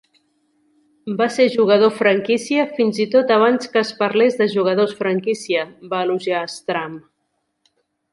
"Va ser jugador franquícia fins i tot abans que es parlés de jugadors franquícia", va elogiar Stram.